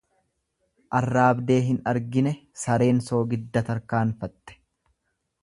Arraabdee hin argine sareen soogidda tarkaanfatte.